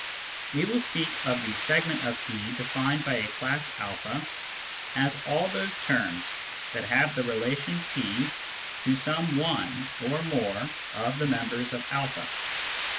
We will speak of the " segment of P defined by a class a " as all those terms that have the relation P to some one or more of the members of a.